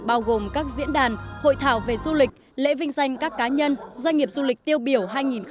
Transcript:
bao gồm các diễn đàn hội thảo về du lịch lễ vinh danh các cá nhân doanh nghiệp du lịch tiêu biểu hai nghìn một mươi chín